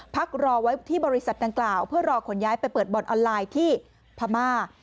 พักรอไว้ที่บริษัทดังกล่าวเพื่อรอขนย้ายไปเปิดบ่อนออนไลน์ที่พม่า